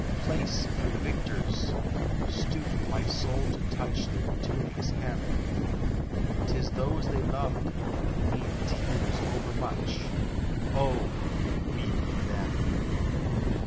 Place for the victors! Stoop my soul to touch Their tunics hem, 'Tis those they loved who need tears overmuch O weep for them!